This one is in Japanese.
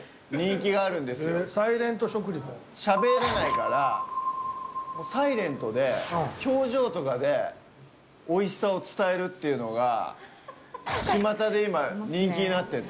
しゃべれないからサイレントで表情とかでおいしさを伝えるっていうのがちまたで今人気になってて。